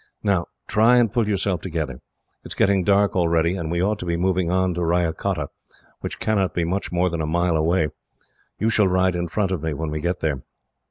Now, try and pull yourself together. It is getting dark already, and we ought to be moving on to Ryacotta, which cannot be much more than a mile away. You shall ride in front of me, when we get there."